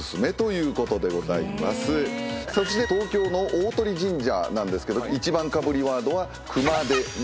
そして東京の鷲神社なんですけど１番かぶりワードは。